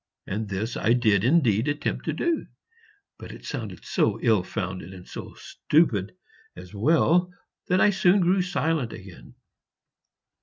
And this I did indeed attempt to do, but it sounded so ill founded and so stupid as well that I soon grew silent again.